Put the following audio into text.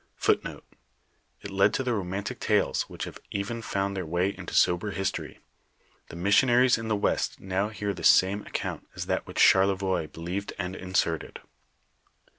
* In one of his sanctity, we naturally * It led to the roraantic tales which have even found their way into sober history. Tlie missionaries in the west now hear the same account as that which Charlevoix believed and inserted.